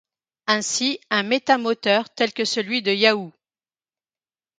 Ainsi un métamoteur tel que celui de Yahoo!